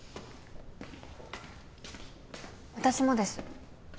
私もです。